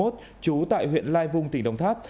trú tại huyện lai vung tỉnh đồng tháp